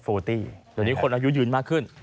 ตอนนี้คนอายุริยืนมากขึ้น